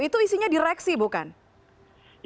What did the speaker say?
itu isinya direksi bukan